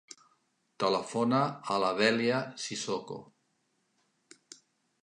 Telefona a la Dèlia Sissoko.